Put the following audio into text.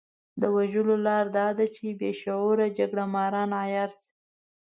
د وژلو لاره دا ده چې بې شعوره جګړه ماران عيار شي.